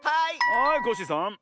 はいコッシーさん。